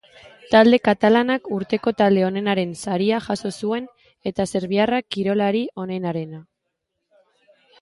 Talde katalanak urteko talde onenaren saria jaso zuen eta serbiarrak kirolari onenarena.